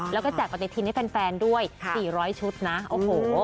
แล้วก็แจกปฏิทินให้แฟนด้วย๔๐๐ชุดนะโอ้โห